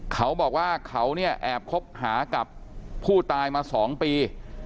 เขาบอกว่าเขาเนี่ยแอบคบหากับผู้ตายมา๒ปี